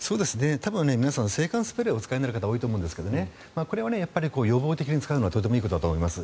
多分、皆さん制汗スプレーをお使いになる方多いと思うんですけどこれは予防的に使うのはとてもいいことだと思います。